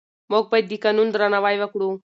موږ باید د قانون درناوی وکړو.